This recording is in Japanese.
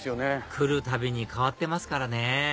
来るたびに変わってますからね